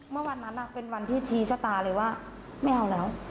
เมื่อวันนั้นเป็นวันที่ชี้ชะตาเลยว่าไม่เอาแล้ว